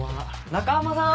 中浜さん。